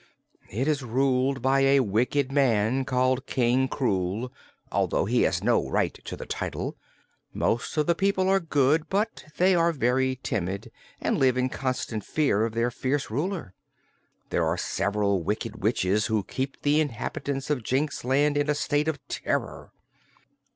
"It is ruled by a wicked man called King Krewl, although he has no right to the title. Most of the people are good, but they are very timid and live in constant fear of their fierce ruler. There are also several Wicked Witches who keep the inhabitants of Jinxland in a state of terror."